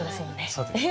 そうですね。